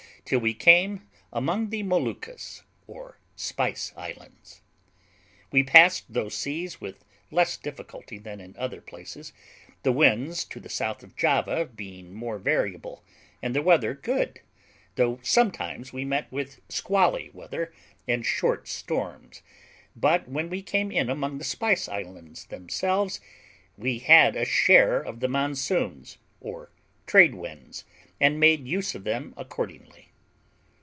till we came among the Moluccas, or Spice Islands. We passed those seas with less difficulty than in other places, the winds to the south of Java being more variable, and the weather good, though sometimes we met with squally weather and short storms; but when we came in among the Spice Islands themselves we had a share of the monsoons, or trade winds, and made use of them accordingly.